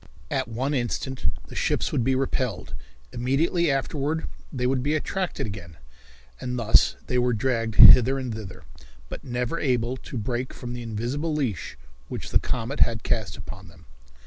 At one instant the ships would be repelled; immediately afterward they would be attracted again, and thus they were dragged hither and thither, but never able to break from the invisible leash which the comet had cast upon them.